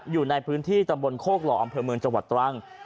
อยู่ในพื้นที่ตำบลโคกหล่ออำเภอเมืองจังหวัดตรัง